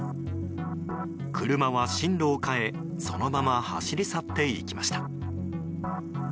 車は進路を変えそのまま走り去っていきました。